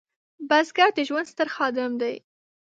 بزګر د ژوند ستر خادم دی